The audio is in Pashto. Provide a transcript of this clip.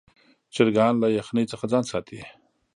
چرګان له یخنۍ څخه ځان ساتي.